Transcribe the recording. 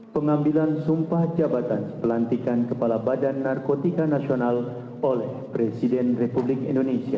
pengambilan sumpah jabatan pelantikan kepala bnn oleh presiden republik indonesia